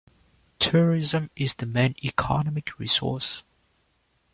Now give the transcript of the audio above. Tourism is the main economic resource.